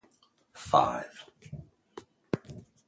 A bystander is shot in the crossfire.